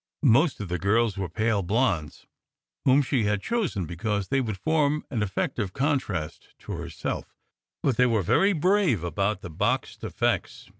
Most of the girls were pale blondes, whom she had chosen because they would form an effective contrast to herself; but they were very brave about the Bakst effects.